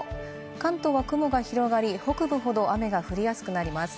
関東は雲が広がり、北部ほど雨が降りやすくなります。